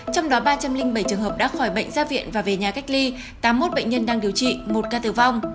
trong đó ba trăm linh bảy trường hợp đã khỏi bệnh ra viện và về nhà cách ly tám mươi một bệnh nhân đang điều trị một ca tử vong